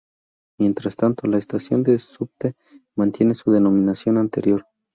Mientras tanto, la estación de "subte" mantiene su denominación anterior.